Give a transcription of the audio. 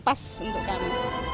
pas untuk kami